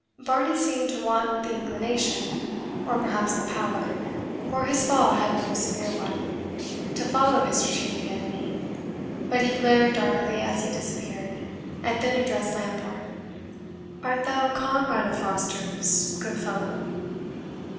Varney seemed to want the inclination, or perhaps the power (for his fall had been a severe one), to follow his retreating enemy. But he glared darkly as he disappeared, and then addressed Lambourne. "Art thou a comrade of Foster's, good fellow?"